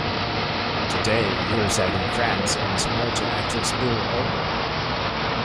Today he resides in France and is married to actress Bulle Ogier.